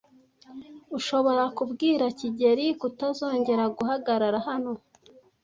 Ushobora kubwira kigeli kutazongera guhagarara hano?